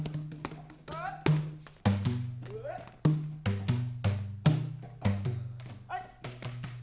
m ultrasound dia samalah